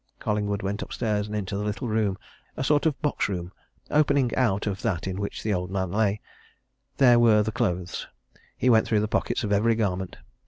Collingwood went upstairs and into the little room a sort of box room opening out of that in which the old man lay. There were the clothes; he went through the pockets of every garment.